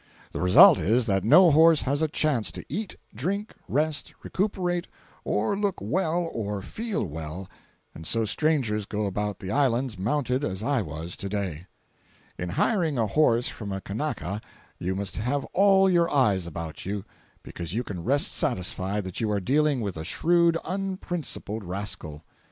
The result is, that no horse has a chance to eat, drink, rest, recuperate, or look well or feel well, and so strangers go about the Islands mounted as I was to day. In hiring a horse from a Kanaka, you must have all your eyes about you, because you can rest satisfied that you are dealing with a shrewd unprincipled rascal.